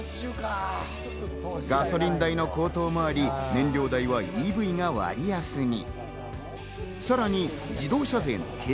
ガソリン代の高騰もあり、燃料代はＥＶが割安に。